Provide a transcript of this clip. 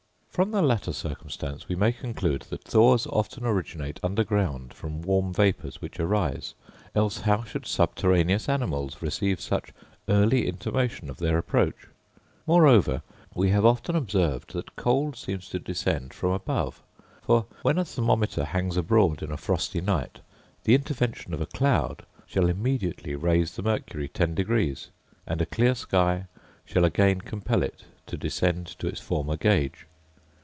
From the latter circumstance we may conclude that thaws often originate under ground from warm vapours which arise; else how should subterraneous animals receive such early intimations of their approach? Moreover, we have often observed that cold seems to descend from above; for, when a thermometer hangs abroad in a frosty night, the intervention of a cloud shall immediately raise the mercury ten degrees; and a clear sky shall again compel it to descend to its former gauge.